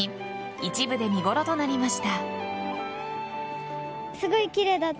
一部で見頃となりました。